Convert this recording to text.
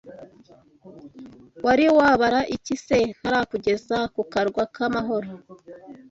Wari wabara iki se ntarakugeza ku Karwa k’Amahoro